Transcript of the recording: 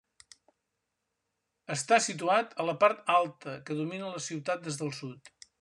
Està situat a la part alta, que domina la ciutat des del sud.